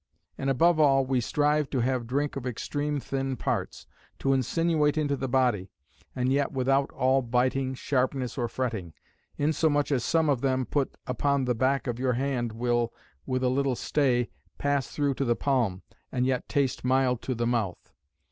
And above all, we strive to have drink of extreme thin parts, to insinuate into the body, and yet without all biting, sharpness, or fretting; insomuch as some of them put upon the back of your hand will, with a little stay, pass through to the palm, and yet taste mild to the mouth.